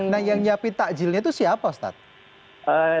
nah yang nyiapin takjilnya itu siapa ustadz